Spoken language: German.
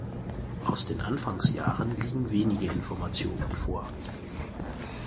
Aus den Anfangsjahren liegen wenige Informationen vor.